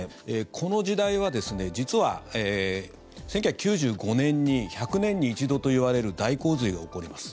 この時代は実は、１９９５年に１００年に一度といわれる大洪水が起こります。